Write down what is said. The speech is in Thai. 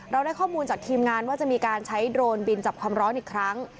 ได้ข้อมูลจากทีมงานว่าจะมีการใช้โดรนบินจับความร้อนอีกครั้ง